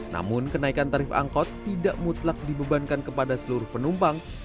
namun kenaikan tarif angkot tidak mutlak dibebankan kepada seluruh penumpang